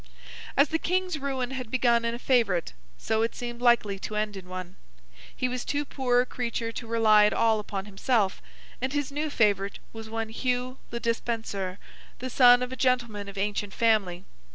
As the King's ruin had begun in a favourite, so it seemed likely to end in one. He was too poor a creature to rely at all upon himself; and his new favourite was one Hugh le Despenser, the son of a gentleman of ancient family.